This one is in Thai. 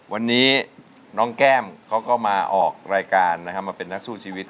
วันนี้น้องแก้มเขาก็มาออกรายการนะครับมาเป็นนักสู้ชีวิต